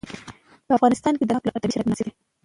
په افغانستان کې د نمک لپاره طبیعي شرایط مناسب دي.